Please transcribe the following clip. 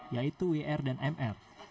yaitu wir dan mr